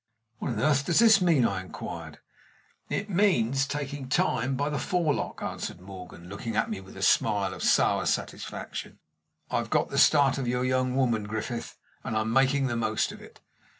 "What on earth does this mean?" I inquired. "It means taking Time by the forelock," answered Morgan, looking at me with a smile of sour satisfaction. "I've got the start of your young woman, Griffith, and I'm making the most of it."